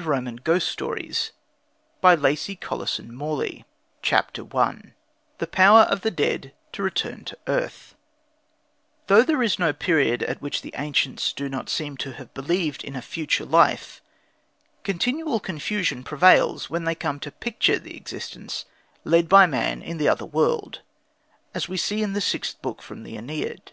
APPARITIONS OF THE DEAD 54 VII. WARNING APPARITIONS 72 I THE POWER OF THE DEAD TO RETURN TO EARTH Though there is no period at which the ancients do not seem to have believed in a future life, continual confusion prevails when they come to picture the existence led by man in the other world, as we see from the sixth book of the Æneid.